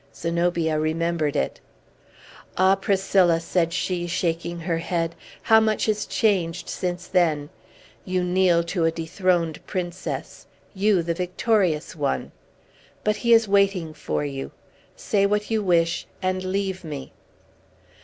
Zenobia remembered it. "Ah, Priscilla!" said she, shaking her head, "how much is changed since then! You kneel to a dethroned princess. You, the victorious one! But he is waiting for you. Say what you wish, and leave me."